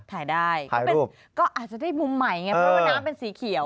ถ่ายได้ก็อาจจะได้มุมใหม่ไงเพราะว่าน้ำเป็นสีเขียว